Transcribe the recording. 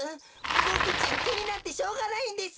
ボクちんきになってしょうがないんです。